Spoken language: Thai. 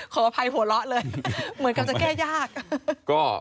ขออภัยหัวเราะเลยเหมือนกับจะแก้ยาก